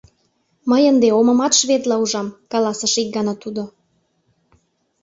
— Мый ынде омымат шведла ужам, — каласыш ик гана тудо.